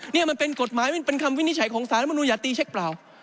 นี่มันเป็นกฎหมายมันเป็นคำวินิจฉัยของสารมนุยตีเช็คเปล่า